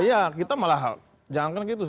iya kita malah jangankan gitu